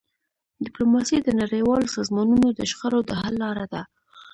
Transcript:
ډيپلوماسي د نړیوالو سازمانونو د شخړو د حل لاره ده.